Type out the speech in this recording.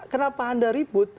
kenapa anda ribut